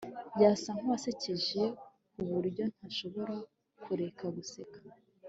Yasa nkuwasekeje kuburyo ntashobora kureka guseka